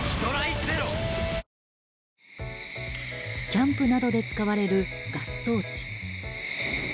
キャンプなどで使われるガストーチ。